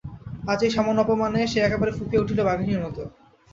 আজ এই সামান্য অপমানে সে একেবারে ফুপিয়া উঠিল বাঘিনীর মতো!